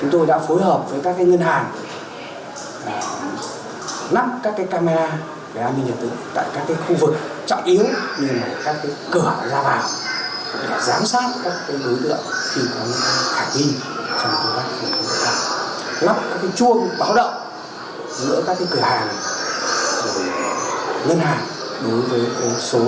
chúng tôi đã phối hợp với các ngân hàng nắp các camera để an ninh nhật tự tại các khu vực trọng yếu